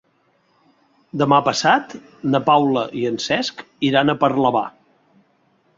Demà passat na Paula i en Cesc iran a Parlavà.